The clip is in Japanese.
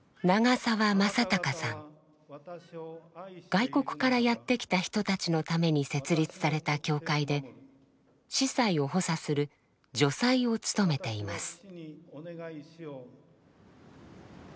外国からやって来た人たちのために設立された教会で司祭を補佐する「助祭」を務めています。